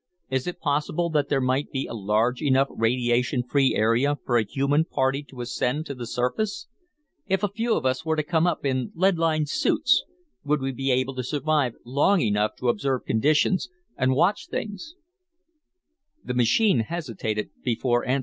Is it possible that there might be a large enough radiation free area for a human party to ascend to the surface? If a few of us were to come up in lead lined suits, would we be able to survive long enough to observe conditions and watch things?" The machine hesitated before answering.